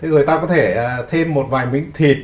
rồi ta có thể thêm một vài miếng thịt